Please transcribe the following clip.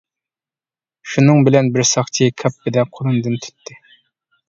شۇنىڭ بىلەن بىر ساقچى كاپپىدە قولۇمدىن تۇتتى.